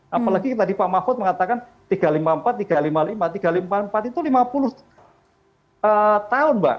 apalagi tadi pak mahfud mengatakan tiga ratus lima puluh empat tiga ratus lima puluh lima tiga ratus empat puluh empat itu lima puluh tahun mbak